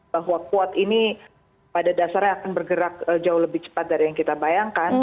bahwa kuat ini pada dasarnya akan bergerak jauh lebih cepat dari yang kita bayangkan